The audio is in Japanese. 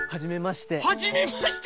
はじめまして。